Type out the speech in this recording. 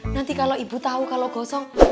nanti kalau ibu tahu kalau gosong